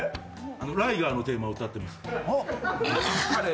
「ライガー」のテーマ歌ってます。